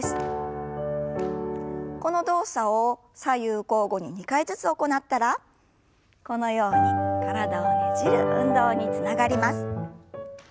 この動作を左右交互に２回ずつ行ったらこのように体をねじる運動につながります。